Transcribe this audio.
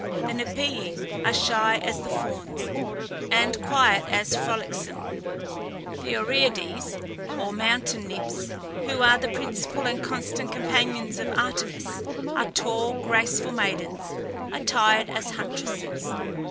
The Napææ are shy as the fawns, and quite as frolicsome. The OREADES, or mountain nymphs, who are the principal and constant companions of Artemis, are tall, graceful maidens, attired as huntresses.